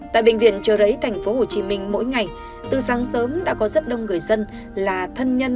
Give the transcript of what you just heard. tại bệnh viện trợ rẫy tp hcm mỗi ngày từ sáng sớm đã có rất đông người dân là thân nhân